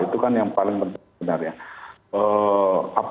itu kan yang paling penting sebenarnya